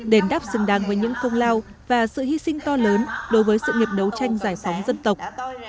đền đáp xứng đáng với những công lao và sự hy sinh to lớn đối với sự nghiệp đấu tranh giải phóng dân tộc